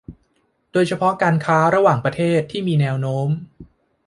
โดยเฉพาะการค้าระหว่างประเทศที่มีแนวโน้ม